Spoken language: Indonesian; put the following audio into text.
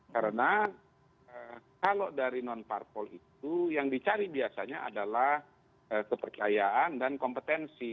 karena kalau dari non parpol itu yang dicari biasanya adalah kepercayaan dan kompetensi